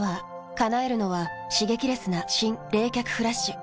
叶えるのは刺激レスな新・冷却フラッシュ。